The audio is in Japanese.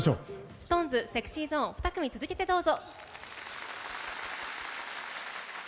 ＳｉｘＴＯＮＥＳＳｅｘｙＺｏｎｅ２組続けてどうぞ。